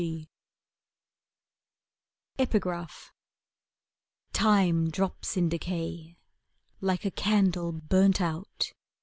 MCMII Time drops in decay Like a candle burnt out, A?